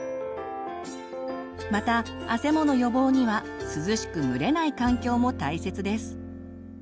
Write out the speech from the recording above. またあせもの予防には涼しく蒸れない環境も大切です。